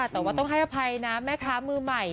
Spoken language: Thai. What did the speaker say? แต่ว่าต้องให้อภัยนะแม่ค้ามือใหม่